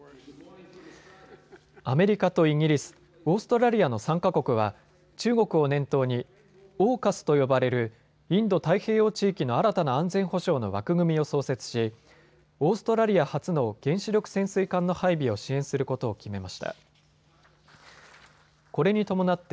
アメリカとイギリス、オーストラリアの３か国は中国を念頭にＡＵＫＵＳと呼ばれるインド太平洋地域の新たな安全保障の枠組みを創設しオーストラリア初の原子力潜水艦の配備を支援することを決めました。